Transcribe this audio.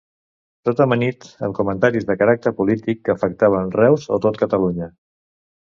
Tot amanit amb comentaris de caràcter polític que afectaven Reus o tot Catalunya.